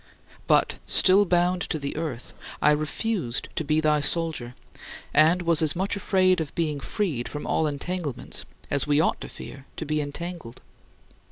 But, still bound to the earth, I refused to be thy soldier; and was as much afraid of being freed from all entanglements as we ought to fear to be entangled.